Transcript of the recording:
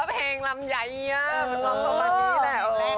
แฟนเรียกเขาให้มันดังมานาน